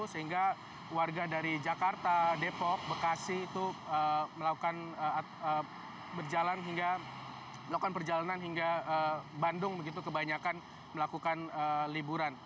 sehingga warga dari jakarta depok bekasi itu melakukan berjalan hingga melakukan perjalanan hingga bandung begitu kebanyakan melakukan liburan